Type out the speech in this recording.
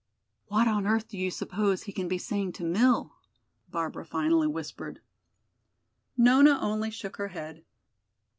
"What on earth do you suppose he can be saying to Mill?" Barbara finally whispered. Nona only shook her head.